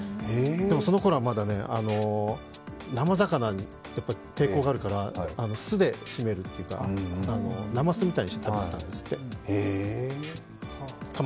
でも、そのころは生魚に抵抗があるから、酢でしめるというか、なますみたいにして食べていたんですって。